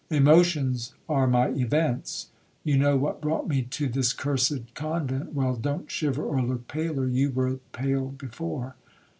Emotions are my events—you know what brought me to this cursed convent—well, don't shiver or look paler—you were pale before.